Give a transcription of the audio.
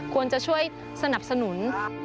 ควรจะช่วยสนับสนุน